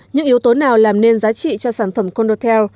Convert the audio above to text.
những yếu tố nào làm nên giá trị cho sản phẩm condotel